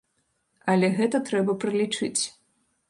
Але гэта трэба пралічыць.